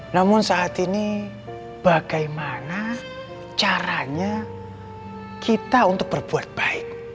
namun saat ini bagaimana caranya kita untuk berbuat baik